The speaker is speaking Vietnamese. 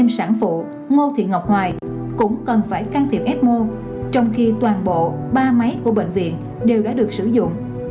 bệnh viện lại tiếp nhận thêm sáng vụ ngô thị ngọc hoài cũng cần phải can thiệp ecmo trong khi toàn bộ ba máy của bệnh viện đều đã được sử dụng